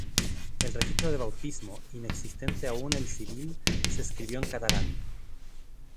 El registro del bautismo, inexistente aún el civil, se escribió en catalán.